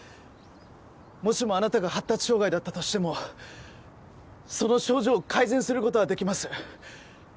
もしもあなたが発達障害だったとしてもその症状を改善する事はできます。